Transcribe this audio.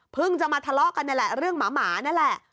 จะมาทะเลาะกันนี่แหละเรื่องหมานั่นแหละ